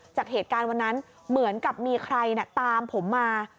จากเหตุการณ์วันนั้นเหมือนกับมีใครตามผมมา